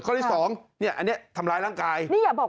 ๒การทำร้ายร่างกาย